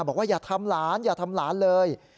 บอกว่าอย่าทำหลานอย่าทำหลานเลย